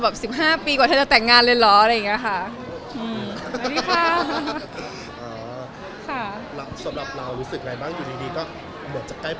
ก็มันอาจจะหวังว่าเป็นเวลาเข้าใจ